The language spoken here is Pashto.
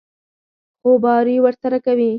خوباري ورسره کوي.